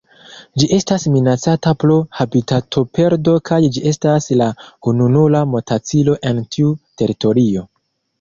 Ĝi estas minacata pro habitatoperdo kaj ĝi estas la ununura motacilo en tiu teritorio.